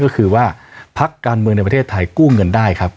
ก็คือว่าพักการเมืองในประเทศไทยกู้เงินได้ครับ